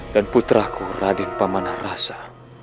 dan putraku radin pamanah rasa